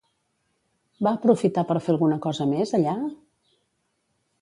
Va aprofitar per fer alguna cosa més, allà?